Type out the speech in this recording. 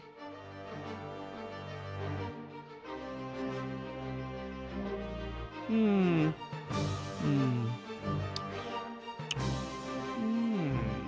อืม